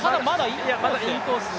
いや、まだインコース。